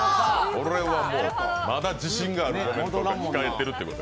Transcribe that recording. まだ自信があるコメントが控えてるってこと。